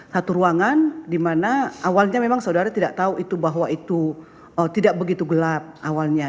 satu ruangan dimana awalnya memang saudara tidak tahu itu bahwa itu tidak begitu gelap awalnya